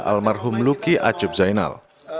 almarhum luki acub zainal